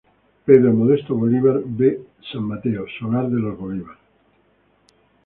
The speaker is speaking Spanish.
Pedro Modesto Bolívar B. San Mateo, Solar de los Bolívar.